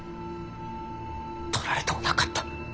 取られとうなかった。